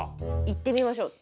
行ってみましょう。